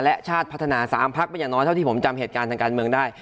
และชาติพัฒนา๓พักเป็นอย่างน้อยเท่าที่ผมจำเหตุการณ์ทางการเมืองได้